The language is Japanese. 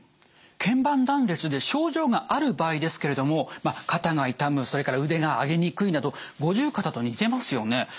腱板断裂で症状がある場合ですけれども肩が痛むそれから腕が上げにくいなど五十肩と似てますよね。